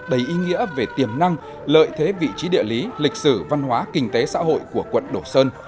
đầy ý nghĩa về tiềm năng lợi thế vị trí địa lý lịch sử văn hóa kinh tế xã hội của quận đồ sơn